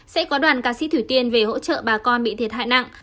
sẽ có đoàn ca sĩ thủy tiên về hỗ trợ bà con bị thiệt hại nặng